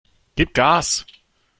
Gib Gas!